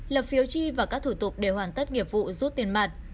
lập phiếu chi và các thủ tục để hoàn tất nghiệp vụ rút tiền mặt